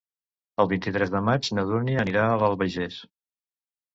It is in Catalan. El vint-i-tres de maig na Dúnia anirà a l'Albagés.